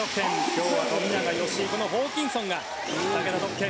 今日は富永、吉井、そしてこのホーキンソンが２桁得点。